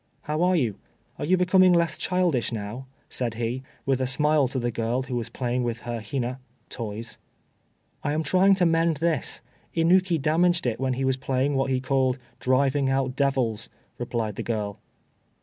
"How are you? Are you becoming less childish now?" said he, with a smile to the girl who was playing with her Hina (toys). "I am trying to mend this. Inuki damaged it when he was playing what he called 'driving out devils,'" replied the girl.